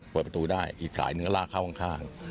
เปิดประตูได้อีกสายหนึ่งก็ลากเข้าข้าง